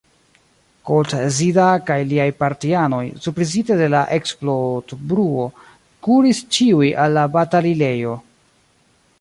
Koltzida kaj liaj partianoj, surprizite de la eksplodbruo, kuris ĉiuj al la batalilejo.